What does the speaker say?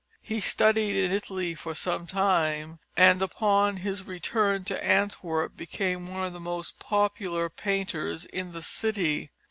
He studied in Italy for some time, and upon his return to Antwerp became one of the most popular painters in the city.